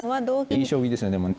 いい将棋ですねでもね。